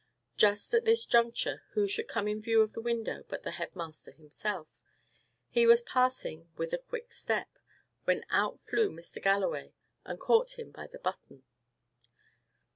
Just at this juncture, who should come in view of the window but the head master himself. He was passing it with a quick step, when out flew Mr. Galloway, and caught him by the button.